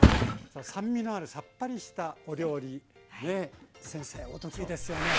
さあ酸味のあるさっぱりしたお料理ね先生お得意ですよね？